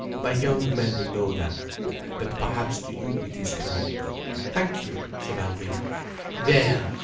My young men know that. But perhaps to you it is kind." "Thank you," said Alvina. "There!